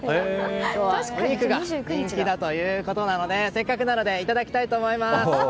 今日はお肉が人気だということなのでせっかくなのでいただきたいと思います。